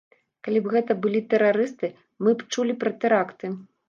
Калі б гэта былі тэрарысты, мы б чулі пра тэракты.